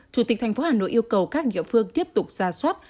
chủ tịch thành phố hà nội yêu cầu các địa phương tiếp tục ra soát